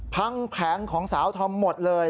แผงของสาวธอมหมดเลย